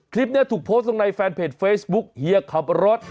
คลิปนี้ถูกโพสต์ลงในแฟนเพจเฟซบุ๊กเฮียขับรถ